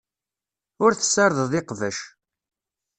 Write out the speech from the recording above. Ur tessardeḍ iqbac.